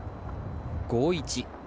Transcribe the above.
５−１。